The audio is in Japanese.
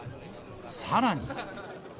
さらに。